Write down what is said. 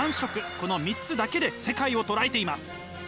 この３つだけで世界をとらえています。